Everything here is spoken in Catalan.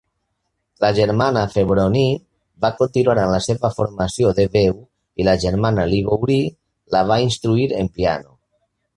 La germana Febronie va continuar amb la seva formació de veu i la germana Liguori la va instruir en piano.